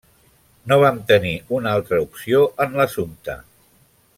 No vam tenir una altra opció en l'assumpte.